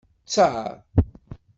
Tter.